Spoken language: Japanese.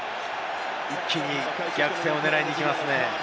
一気に逆転を狙いにいきますね。